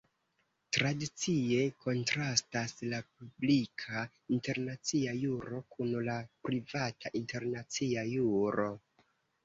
Tradicie kontrastas la "publika internacia juro" kun la "privata internacia juro".